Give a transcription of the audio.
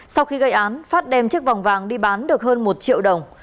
sau khi gây án phát đem chiếc vòng vàng đi bán được hơn một triệu đồng